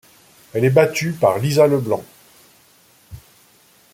Elle est battue par Lisa Leblanc.